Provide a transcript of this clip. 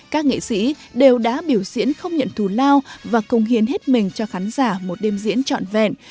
các nghệ sĩ đều đã biểu diễn không nhận thù lao và công hiến hết mình cho khán giả một đêm diễn trọn vẹn